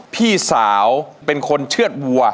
พี่สาวเป็นคนเชื่อดวัว